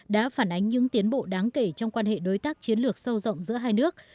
đã phản ánh những tiến bộ đáng kể trong quan hệ đối tác chiến lược sâu rộng giữa hai nước